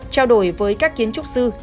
trao đổi với các kiến trúc sư